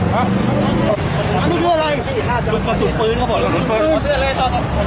ผมมีสินต่อแล้ว